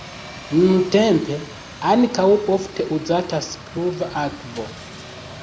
Nuntempe ankaŭ ofte uzatas pluva akvo.